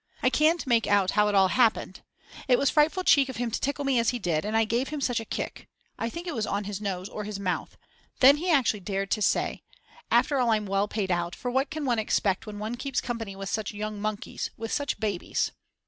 I can't make out how it all happened. It was frightful cheek of him to tickle me as he did, and I gave him such a kick. I think it was on his nose or his mouth. Then he actually dared to say: After all I'm well paid out, for what can one expect when one keeps company with such young monkeys, with such babies.